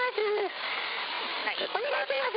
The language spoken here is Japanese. お願いします。